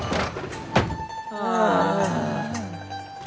ああ。